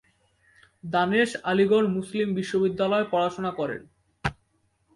দানেশ আলিগড় মুসলিম বিশ্ববিদ্যালয়ে পড়াশোনা করেন।